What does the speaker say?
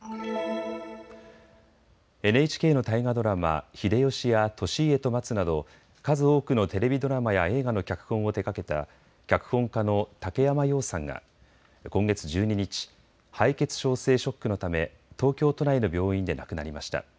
ＮＨＫの大河ドラマ、秀吉や利家とまつなど数多くのテレビドラマや映画の脚本を手がけた脚本家の竹山洋さんが今月１２日、敗血症性ショックのため東京都内の病院で亡くなりました。